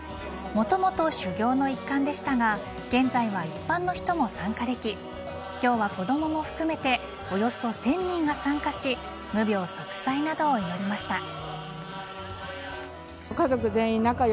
もともと修行の一環でしたが現在は一般の人も参加でき今日は子供も含めておよそ１０００人が参加し無病息災などを祈りました。